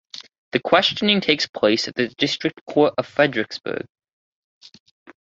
The questioning takes place at the District Court of Frederiksberg.